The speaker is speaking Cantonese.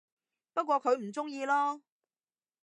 不過佢唔鍾意囉